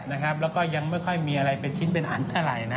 แล้วก็ยังไม่ค่อยมีอะไรเป็นชิ้นเป็นอันเท่าไหร่นะ